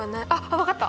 分かった？